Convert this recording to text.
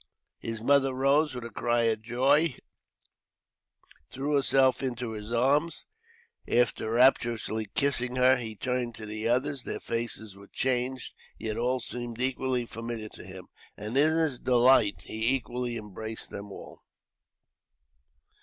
His mother rose with a cry of joy, and threw herself into his arms. After rapturously kissing her, he turned to the others. Their faces were changed, yet all seemed equally familiar to him, and in his delight he equally embraced them all.